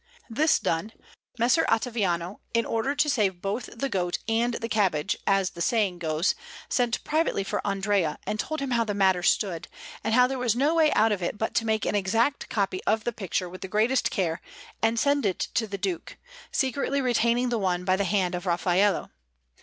This done, Messer Ottaviano, in order to "save both the goat and the cabbage," as the saying goes, sent privately for Andrea and told him how the matter stood, and how there was no way out of it but to make an exact copy of the picture with the greatest care and send it to the Duke, secretly retaining the one by the hand of Raffaello.